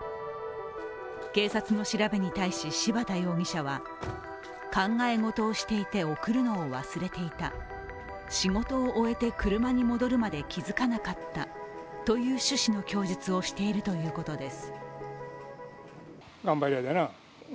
警察の調べに対し、柴田容疑者は考えごとをしていて送るのを忘れていた、仕事を終えて車に戻るまで気づかなかったという趣旨の供述をしているということです。